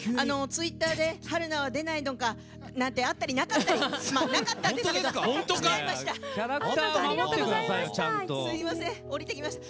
ツイッターで「春菜は出ないのか」なんてあったりなかったりなかったんですけど来ちゃいました。